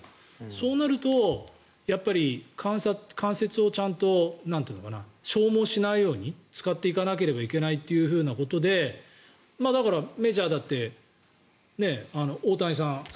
そうなると関節をちゃんと消耗しないように使っていかなければいけないということでだから、メジャーだって大谷さん。